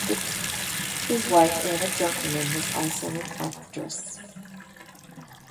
His wife Anna Junkermann was also an actress.